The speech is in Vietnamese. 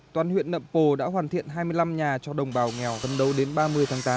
toàn huyện đậm pồ đã hoàn thiện hai mươi năm nhà cho đồng bào nghèo gần đầu đến ba mươi tháng tám